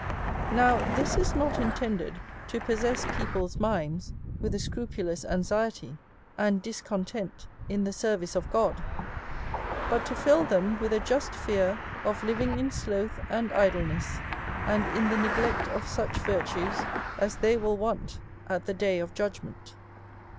Now, this is not intended to possess people's minds with a scrupulous anxiety, and discontent in the ser vice of Gocl, but to fill them with a just fear of living in sloth and idleness, and in the neglect of such virtues as they will want at the day of judgment.